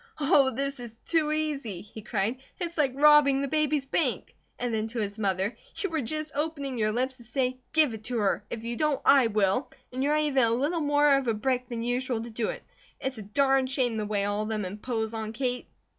"Oh this is too easy!" he cried. "It's like robbing the baby's bank!" And then to his mother: "You were just opening your lips to say: 'Give it to her! If you don't, I will!' And you are even a little bit more of a brick than usual to do it. It's a darned shame the way all of them impose on Kate."